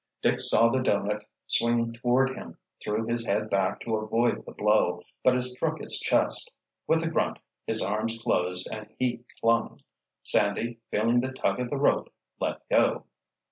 Dick saw the doughnut swing toward him, threw his head back to avoid the blow, but it struck his chest. With a grunt, his arms closed and he clung. Sandy, feeling the tug of the rope, let go.